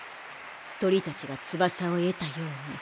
鳥たちが翼を得たように。